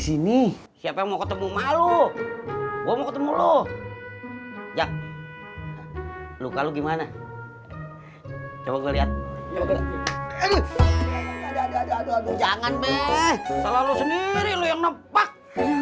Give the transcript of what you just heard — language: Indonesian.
salah lo sendiri lo yang nempak